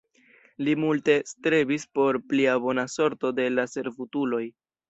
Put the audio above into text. Li multe strebis por pli bona sorto de la servutuloj.